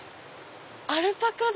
アルパカだ。